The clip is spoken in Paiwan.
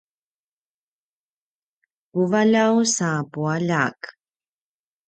puvaljaw sa pualjak